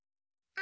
あ！